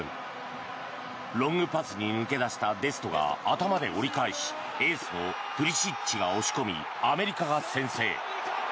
ロングパスに抜け出したデストが頭で折り返しエースのプリシッチが押し込みアメリカが先制。